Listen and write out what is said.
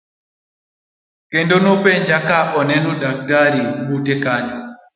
Kendo nopenja ka aneno daktari bute kanyo.